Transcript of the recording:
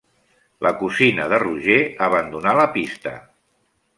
La cosina de Roger abandonà la pista.